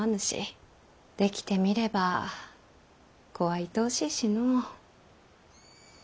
できてみれば子はいとおしいしの。